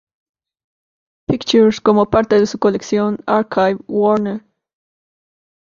Pictures como parte de su colección Archive Warner.